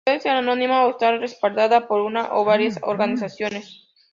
Puede ser anónima o estar respaldada por una o varias organizaciones.